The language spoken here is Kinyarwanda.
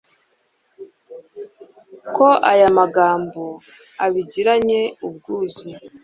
ko aya magambo, abigiranye ubwuzu